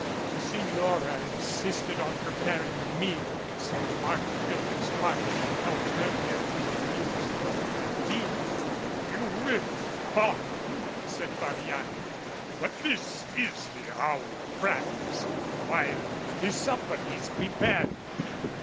The Signora insisted on preparing the meal, so Mark ham filled his pipe and helped Hermia to amuse the bambino. "You will pardon?" said Fabiani. "But this is the hour of practice, while the supper is preparing.